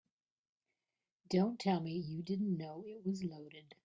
Don't tell me you didn't know it was loaded.